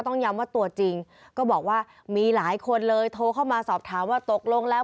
ย้ำว่าตัวจริงก็บอกว่ามีหลายคนเลยโทรเข้ามาสอบถามว่าตกลงแล้ว